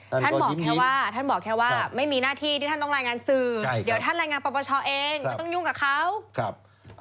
ท่านบอกแค่ว่าไม่มีหน้าที่ท่านต้องรายงานสื่อเดี๋ยวท่านรายงานประประชาเอง